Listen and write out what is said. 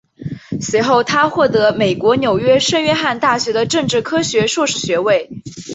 随后他获得美国纽约圣约翰大学的政治科学硕士学位。